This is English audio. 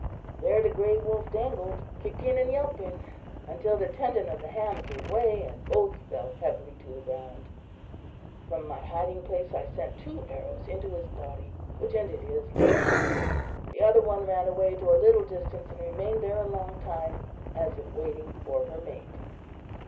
There the grey wolf dangled, kicking and yelping, until the tendon of the ham gave way, and both fell heavily to the ground. From my hiding place I sent two arrows into his body, which ended his life. The other one ran away to a little distance and remained there a long time, as if waiting for her mate.